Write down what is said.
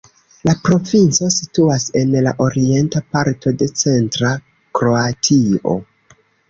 La provinco situas en la orienta parto de centra Kroatio.